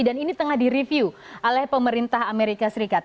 dan ini tengah direview oleh pemerintah amerika serikat